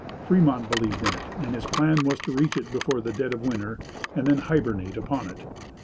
Fremont believed in it, and his plan was to reach it before the dead of winter, and then hybernate upon it.